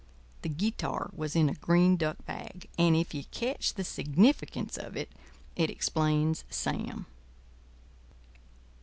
The guitar was in a green duck bag; and if you catch the significance of it, it explains Sam.